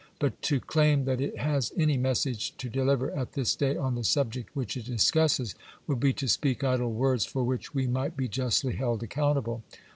But to claim that it has any message to deliver at this day on the subject which it discusses, would be to speak idle words for which we might be justly held accountable.